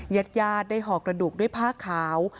ญาติญาติได้ห่อกระดูกด้วยผ้าขาว